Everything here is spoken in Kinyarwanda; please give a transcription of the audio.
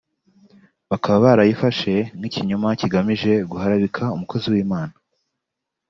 Bakaba barayifashe nk’ikinyoma kigamije guharabika umukozi w’Imana